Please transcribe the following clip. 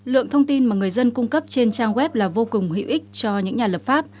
lượng thông tin mà người dân cung cấp trên trang web là vô cùng hữu ích cho những nhà lập pháp